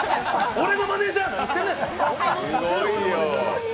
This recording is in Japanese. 俺のマネージャー何してんねん！